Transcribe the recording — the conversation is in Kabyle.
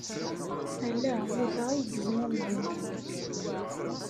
Ala Yuba ay yezmumgen.